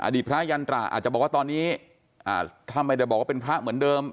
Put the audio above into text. พระยันตราอาจจะบอกว่าตอนนี้ถ้าไม่ได้บอกว่าเป็นพระเหมือนเดิม